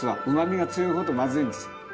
うまみが強いほどまずいんです。